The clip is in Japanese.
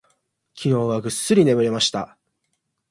昨日はぐっすり眠れました。